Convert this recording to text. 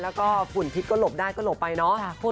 แล้วก็ฝุ่นพิษก็หลบได้ก็หลบไปเนาะ